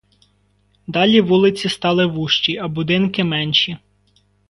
Далі вулиці стали вужчі, а будинки менші.